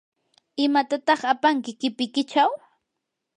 ¿imatataq apanki qipikichaw?